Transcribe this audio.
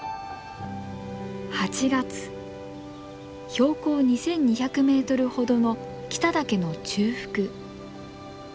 標高２，２００メートルほどの北岳の中腹。